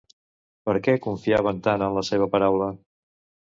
Per què confiaven tant en la seva paraula?